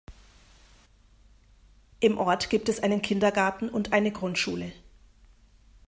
Im Ort gibt es einen Kindergarten und eine Grundschule.